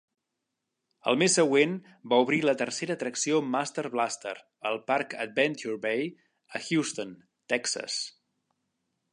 El mes següent va obrir la tercera atracció Master Blaster al parc Adventure Bay a Houston, Texas.